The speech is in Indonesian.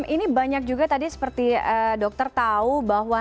ini banyak juga tadi seperti dokter tahu bahwa